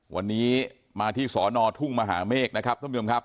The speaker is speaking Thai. วันนี้มาที่สอนอทุ่งมหาเมฆนะครับท่านผู้ชมครับ